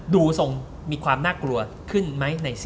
ดูทรงมีความน่ากลัวขึ้นไหม